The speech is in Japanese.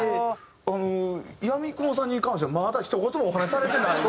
あの闇雲さんに関してはまだひと言もお話しされてないので。